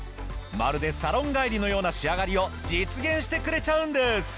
まるでサロン帰りのような仕上がりを実現してくれちゃうんです！